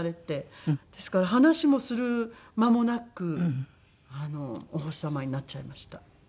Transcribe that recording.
ですから話もする間もなくお星様になっちゃいました。